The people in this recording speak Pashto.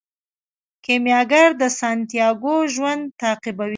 کیمیاګر د سانتیاګو ژوند تعقیبوي.